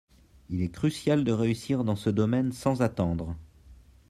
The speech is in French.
Il est crucial de réussir dans ce domaine sans attendre.